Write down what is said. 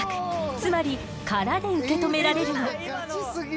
つまり殻で受け止められるの。